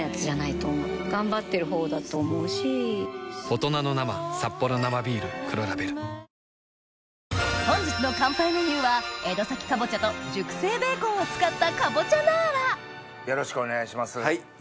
この後藤木直人が腕を振るう本日の乾杯メニューは江戸崎かぼちゃと熟成ベーコンを使ったかぼちゃナーラよろしくお願いします。